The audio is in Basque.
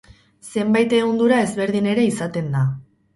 Zenbait ehundura ezberdin ere izaten da.